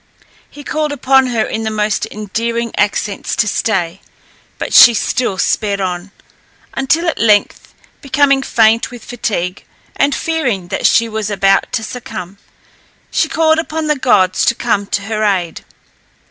He called upon her in the most endearing accents to stay, but she still sped on, until at length, becoming faint with fatigue, and fearing that she was about to succumb, she called upon the gods to come to her aid.